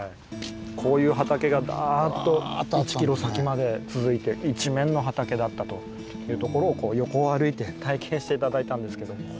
こういう畑がダーッと１キロ先まで続いて一面の畑だったという所を横を歩いて体験して頂いたんですけど。